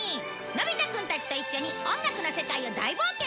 のび太くんたちと一緒に音楽の世界を大冒険するよ！